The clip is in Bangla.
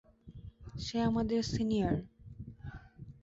সে আমাদের সিনিয়র!